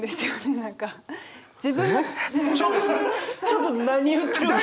ちょっと何言ってるか。